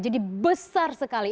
jadi besar sekali